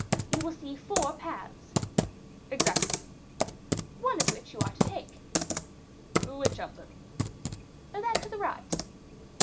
"You will see four paths." "Exactly." "One of which you will take." "Which of them?" "That to the right."